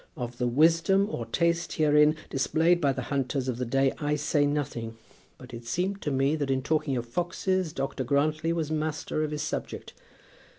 Of the wisdom or taste herein displayed by the hunters of the day I say nothing. But it seemed to me that in talking of foxes Dr. Grantly was master of his subject.